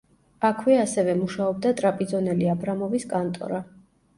აქვე ასევე მუშაობდა ტრაპიზონელი აბრამოვის კანტორა.